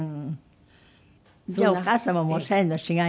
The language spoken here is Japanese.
じゃあお母様もオシャレのしがいがあるわね。